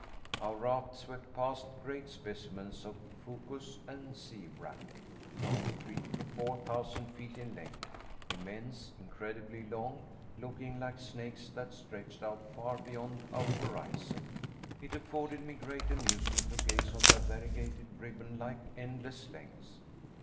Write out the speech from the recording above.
Our raft swept past great specimens of fucus or seawrack, from three to four thousand feet in length, immense, incredibly long, looking like snakes that stretched out far beyond our horizon. It afforded me great amusement to gaze on their variegated ribbon like endless lengths.